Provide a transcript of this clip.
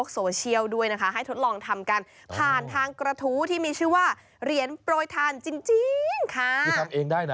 สำหรับคุณผู้ชมที่อยู่ทางบ้าน